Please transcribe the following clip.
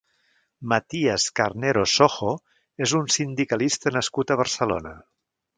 Matías Carnero Sojo és un sindicalista nascut a Barcelona.